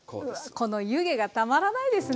この湯気がたまらないですね！